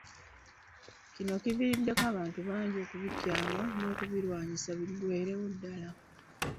Kino kiviiriddeko abantu bangi okubikyawa n’okubirwanyisa biggweerewo ddala .